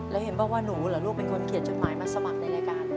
แล้วเห็นบอกว่าหนูเหรอลูกเป็นคนเขียนจดหมายมาสมัครในรายการ